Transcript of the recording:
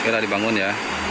segera di bangun ya